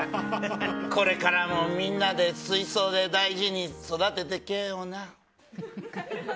これからもみんなで水槽で大事に育ててくれよな。